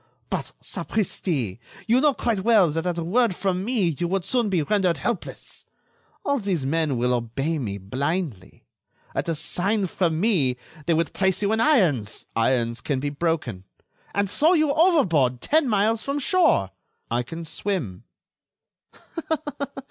"But, sapristi! you know quite well that at a word from me you would soon be rendered helpless. All these men will obey me blindly. At a sign from me they would place you in irons——" "Irons can be broken." "And throw you overboard ten miles from shore." "I can swim."